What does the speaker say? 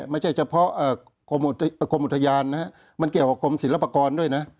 ไม่ใช่เฉพาะกรมอุทยานนะครับมันเกี่ยวกับกรมศิลปากรด้วยนะ